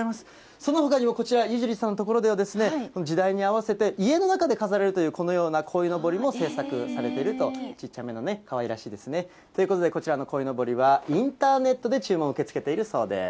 そのほかにもこちら、湯尻さんの所では、時代に合わせて、家の中で飾れるというこのようなこいのぼりも制作されていると、ちっちゃめのね、かわいらしいですね。ということでこちらのこいのぼりは、インターネットで注文を受け付けているそうです。